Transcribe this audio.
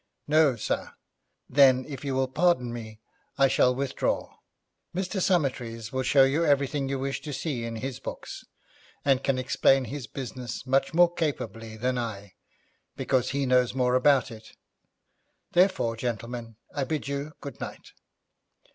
'No, sir.' 'Then, if you will pardon me, I shall withdraw. Mr. Summertrees will show you everything you wish to see in his books, and can explain his business much more capably than I, because he knows more about it; therefore, gentlemen, I bid you good night.'